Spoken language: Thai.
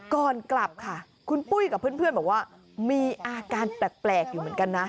ก่อนกลับค่ะคุณปุ้ยกับเพื่อนบอกว่ามีอาการแปลกอยู่เหมือนกันนะ